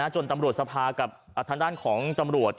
จนตำรวจสภากับทางด้านของตำรวจ